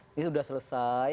ini sudah selesai